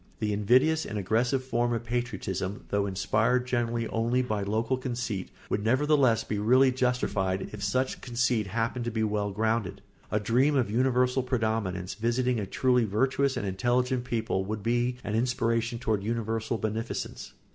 The invidious and aggressive form of patriotism, though inspired generally only by local conceit, would nevertheless be really justified if such conceit happened to be well grounded. A dream of universal predominance visiting a truly virtuous and intelligent people would be an aspiration toward universal beneficence.